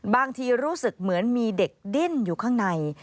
บางทีรู้สึกเหมือนมีเด็กดิ้นอยู่ข้างใน